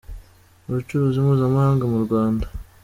Ubucuruzi mpuzamahanga mu Rwanda.